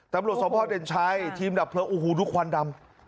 ตำรวจสมภาพเด่นชัยทีมดับเพลิงโอ้โหดูควันดำ